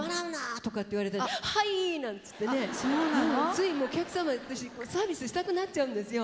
ついお客様に私サービスしたくなっちゃうんですよ。